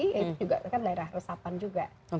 ya itu juga kan daerah resapan juga